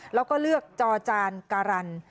แล้วก็เลือกจอจานการัน